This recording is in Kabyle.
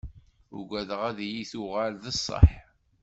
Ugadeɣ ad iyi-tuɣal d ṣṣeḥ.